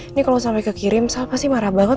ini kalau sampai kekirim sal pasti marah banget